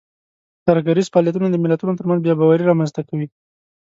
ترهګریز فعالیتونه د ملتونو ترمنځ بې باوري رامنځته کوي.